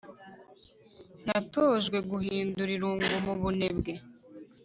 natojwe guhindura irungu mubunebwe